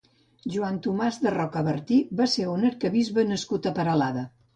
Joan Tomàs de Rocabertí va ser un arquebisbe nascut a Peralada.